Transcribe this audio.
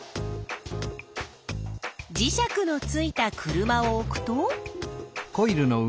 磁石のついた車を置くと。